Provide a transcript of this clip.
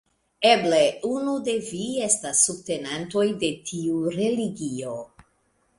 Eble unu de vi estas subtenantoj de tiu religio.